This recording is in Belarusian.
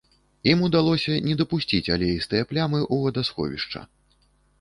Ім удалося не дапусціць алеістыя плямы ў вадасховішча.